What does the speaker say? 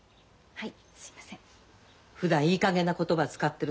はい。